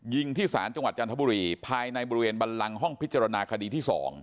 ยิงที่ศาลจังหวัดจันทบุรีภายในบริเวณบันลังห้องพิจารณาคดีที่๒